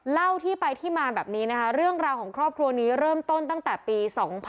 เล่าที่ไปที่มาแบบนี้นะคะเรื่องราวของครอบครัวนี้เริ่มต้นตั้งแต่ปี๒๕๖๒